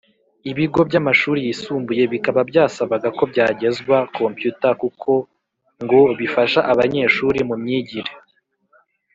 ibigo byamashuri yisumbuye bikaba byasabaga ko byagezwa computer kuko ngo bifasha abanyeshuri mu myigire